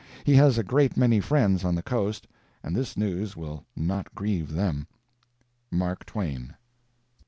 He has a great many friends on the coast, and this news will not grieve them. MARK TWAIN.